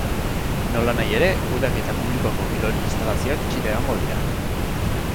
Nolanahi ere, kudeaketa publikoko kirol instalazioak itxita egongo dira.